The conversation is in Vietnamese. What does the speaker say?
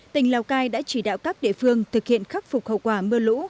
tỉnh lào cai đã chỉ đạo các địa phương thực hiện khắc phục hậu quả mưa lũ